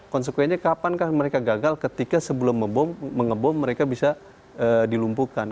konsekuensinya kapan kan mereka gagal ketika sebelum mengebom mereka bisa dilumpuhkan